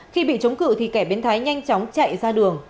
khi bị chống cự thì kẻ biến thái nhanh chóng chạy ra đường